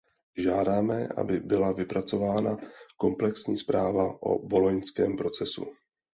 Žádáme, aby byla vypracována komplexní zpráva o Boloňském procesu.